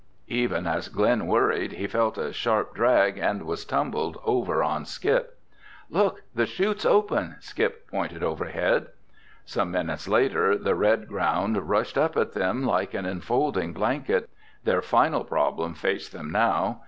Even as Glen worried, he felt a sharp drag and was tumbled over on Skip. "Look! The chute's open!" Skip pointed overhead. Some minutes later, the red ground rushed up at them like an enfolding blanket. Their final problem faced them now.